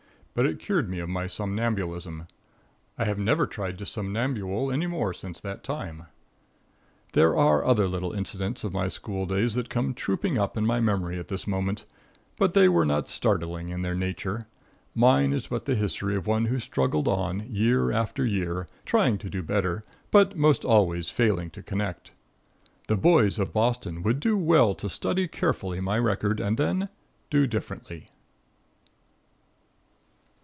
But it cured me of my somnambulism. I have never tried to somnambule any more since that time. There are other little incidents of my schooldays that come trooping up in my memory at this moment, but they were not startling in their nature. Mine is but the history of one who struggled on year after year, trying to do better, but most always failing to connect. The boys of Boston would do well to study carefully my record and then do differently.